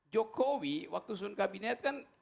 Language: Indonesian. jokowi waktu sun kabinet kan